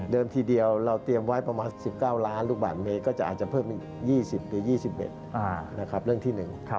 ทีเดียวเราเตรียมไว้ประมาณ๑๙ล้านลูกบาทเมตรก็จะอาจจะเพิ่มอีก๒๐หรือ๒๑นะครับเรื่องที่๑